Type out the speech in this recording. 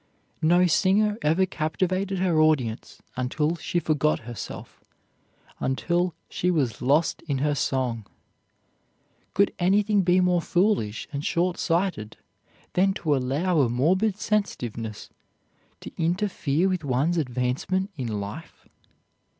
No singer ever captivated her audience until she forgot herself, until she was lost in her song. Could anything be more foolish and short sighted than to allow a morbid sensitiveness to interfere with one's advancement in life?